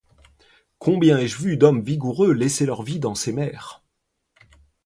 Combien ai-je vu d’hommes vigoureux laisser leur vie dans ces mers !